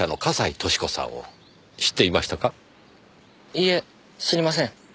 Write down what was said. いいえ知りません。